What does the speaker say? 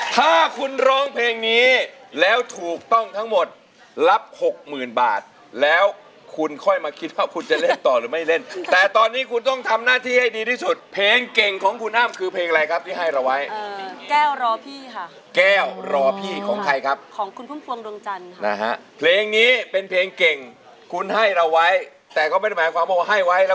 ถ้าคุณร้องเพลงนี้แล้วถูกต้องทั้งหมดรับหกหมื่นบาทแล้วคุณค่อยมาคิดว่าคุณจะเล่นต่อหรือไม่เล่นแต่ตอนนี้คุณต้องทำหน้าที่ให้ดีที่สุดเพลงเก่งของคุณอ้ำคือเพลงอะไรครับที่ให้เราไว้แก้วรอพี่ค่ะแก้วรอพี่ของใครครับของคุณพุ่มพวงดวงจันทร์ค่ะนะฮะเพลงนี้เป็นเพลงเก่งคุณให้เราไว้แต่ก็ไม่ได้หมายความว่าให้ไว้แล้ว